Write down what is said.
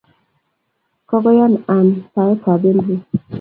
Kagoyan Ann saetab Henry